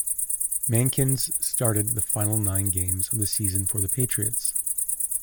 Mankins started the final nine games of the season for the Patriots.